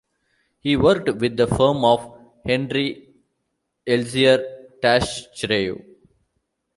He worked with the firm of Henri-Elzear Taschereau.